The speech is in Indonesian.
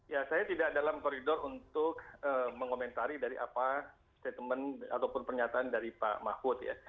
ya saya tidak dalam koridor untuk mengomentari dari apa statement ataupun pernyataan dari pak mahfud ya